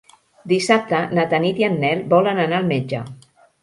Dissabte na Tanit i en Nel volen anar al metge.